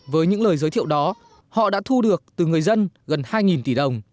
với những lời giới thiệu đó họ đã thu được từ người dân gần hai tỷ đồng